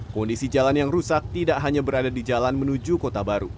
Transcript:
kondisi jalan yang rusak tidak hanya berada di jalan menuju kota baru